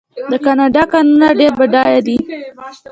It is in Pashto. د کاناډا کانونه ډیر بډایه دي.